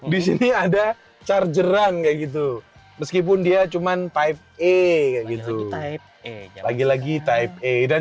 di sini ada chargerang kayak gitu meskipun dia cuman type e kayak gitu lagi lagi type e dan